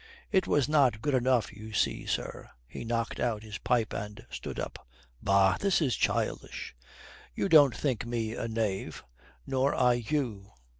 "It was not good enough, you see, sir." He knocked out his pipe and stood up. "Bah, this is childish. You don't think me a knave, nor I you.